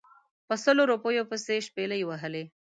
په سلو روپیو پسې شپلۍ وهلې.